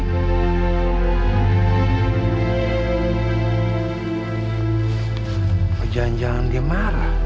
jangan jangan dia marah